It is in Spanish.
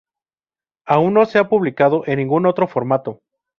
Aún no se ha publicado en ningún otro formato.